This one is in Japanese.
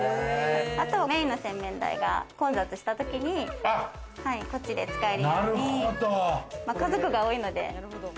あとはメインの洗面台が混雑した時に、こっちで使えるように家族が多いので。